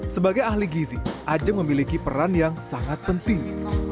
sebagai ahli gizi ajeng memiliki peran yang sangat penting